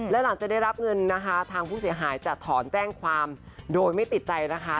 และหลังจากได้รับเงินนะคะทางผู้เสียหายจะถอนแจ้งความโดยไม่ติดใจนะคะ